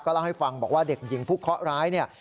เล่าให้ฟังบอกว่าเด็กหญิงผู้เคาะร้ายเนี่ย